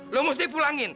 lu mesti pulangin